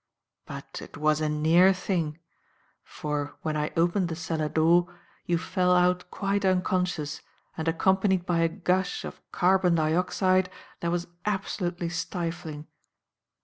But it was a near thing; for, when I opened the cellar door, you fell out quite unconscious and accompanied by a gush of carbon dioxide that was absolutely stifling."